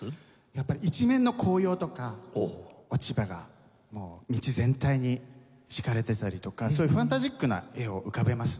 やっぱり一面の紅葉とか落ち葉が道全体に敷かれていたりとかそういうファンタジックな画を浮かべます。